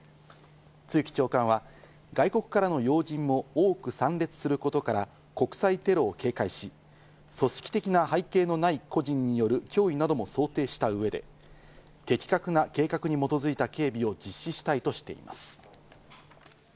露木長官は外国からの要人も多く参列することから、国際テロを警戒し、組織的な背景のない個人による脅威なども想定した上で、的確な計画に基づいた警備を実施したいとしています。